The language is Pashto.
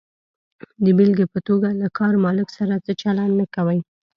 د بېلګې په توګه، له کار مالک سره هغه چلند نه کوئ.